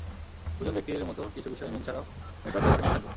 দুজন ব্যক্তির মতো কিছু বিষয়ে মিল ছাড়াও নেটওয়ার্ক ব্যবহারে মিল থাকতে হবে।